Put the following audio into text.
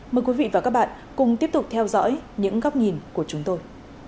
mời quý vị và các bạn cùng tiếp tục theo dõi những góc nhìn của chúng tôi